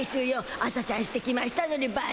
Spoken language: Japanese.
朝シャンしてきましたのにばっちい。